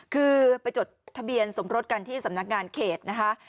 คือไปจดทะเบียนสมรสกันที่สำนักงานเขตนะคะ